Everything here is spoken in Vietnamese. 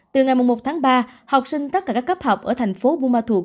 từ ngày một tháng ba học sinh tất cả các cấp học ở thành phố buôn ma thuột